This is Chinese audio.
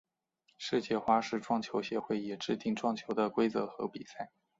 世界花式撞球协会也制定撞球的规则和比赛。